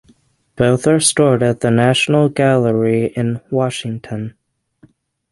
Both are stored at the National Gallery in Washington.